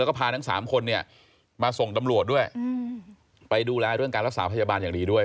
แล้วก็พาทั้งสามคนเนี่ยมาส่งตำรวจด้วยไปดูแลเรื่องการรักษาพยาบาลอย่างดีด้วย